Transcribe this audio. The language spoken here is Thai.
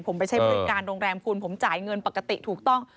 ผมไปใช้บริการโรงแรมคุณผมจ่ายเงินปกติถูกต้อง